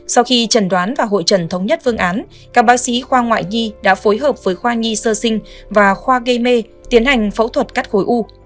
sau khi trần đoán và hội trần thống nhất phương án các bác sĩ khoa ngoại nhi đã phối hợp với khoa nhi sơ sinh và khoa gây mê tiến hành phẫu thuật cắt khối u